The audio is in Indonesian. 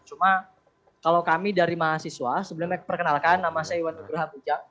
cuma kalau kami dari mahasiswa sebelumnya saya perkenalkan nama saya iwan ibrahami jak